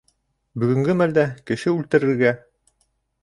— Бөгөнгө мәлдә... кеше үлтерергә?!